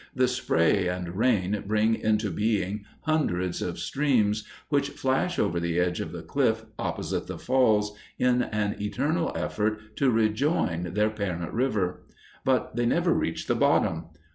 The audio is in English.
The spray and rain bring into being hundreds of streams, which flash over the edge of the cliff opposite the Falls in an eternal effort to rejoin their parent river. But they never reach the bottom.